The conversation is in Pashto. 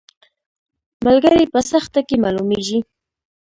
ملګری په سخته کې معلومیږي